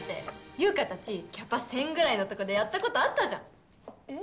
優佳たちキャパ１０００ぐらいのとこでやったことあったじゃんえっ？